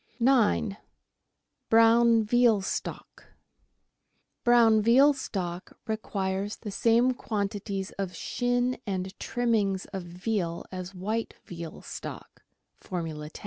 9— BROWN VEAL STOCK Brown veal stock requires the same quantities of shin and trimmings of veal as white veal stock (Formula 10).